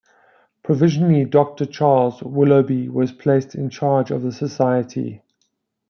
Provisionally Doctor Charles Willoughby was placed in charge of the society.